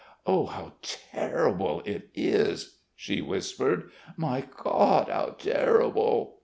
"Oh, how terrible it is!" she whispered. "My God, how terrible!"